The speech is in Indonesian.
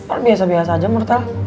or biasa biasa aja menurut elah